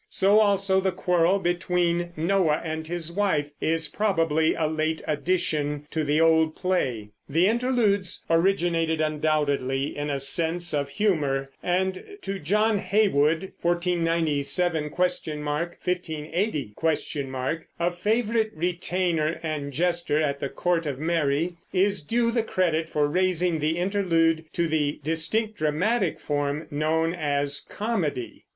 So also the quarrel between Noah and his wife is probably a late addition to an old play. The Interludes originated, undoubtedly, in a sense of humor; and to John Heywood (1497? 1580?), a favorite retainer and jester at the court of Mary, is due the credit for raising the Interlude to the distinct dramatic form known as comedy.